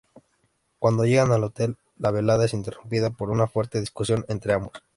Cuando llegan al hotel, la velada es interrumpida por una fuerte discusión entre ambos.